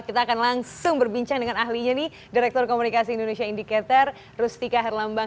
kita akan langsung berbincang dengan ahlinya nih direktur komunikasi indonesia indicator rustika herlambang